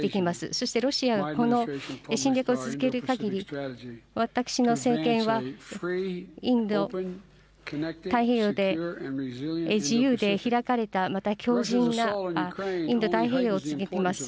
そしてロシアのこの侵略を続けるかぎり、私の政権はインド太平洋で自由で開かれた、また強じんなインド太平洋を続けます。